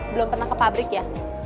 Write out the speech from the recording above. belum pernah ke pabrik ya